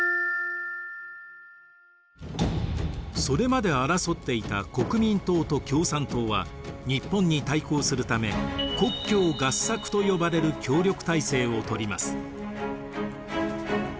それまで争っていた国民党と共産党は日本に対抗するため国共合作と呼ばれる協力体制をとります。